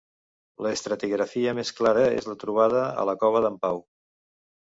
L'estratigrafia més clara és la trobada a la cova d'en Pau.